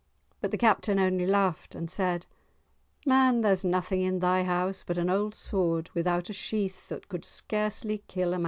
But the Captain only laughed and said, "Man, there's nothing in thy house but an old sword without a sheath that could scarcely kill a mouse."